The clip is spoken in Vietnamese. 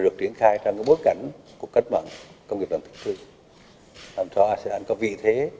được triển khai trong cái bối cảnh của cách mạnh công nghiệp lần thứ làm cho asean có vị thế